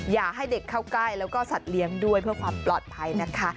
อย่าให้เด็กเข้าใกล้แล้วก็สัตว์เลี้ยงด้วยเพื่อความปลอดภัยนะคะ